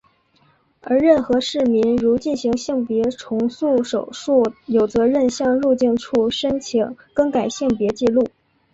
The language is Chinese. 而任何市民如进行性别重塑手术有责任向入境处申请更改性别纪录。